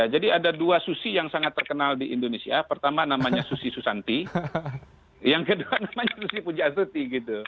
jadi ada dua susi yang sangat terkenal di indonesia pertama namanya susi susanti yang kedua namanya susi pujasuti